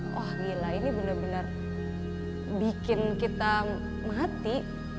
wah gila ini benar benar bikin kita mati